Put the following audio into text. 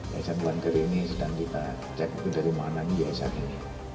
yayasan wangger ini sedang kita cek itu dari mana ini yayasan ini